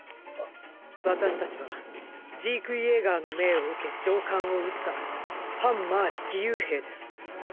私たちはジーク・イェーガーの命を受け上官を撃った反マーレ義勇兵です。